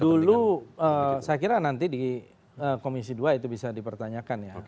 dulu saya kira nanti di komisi dua itu bisa dipertanyakan ya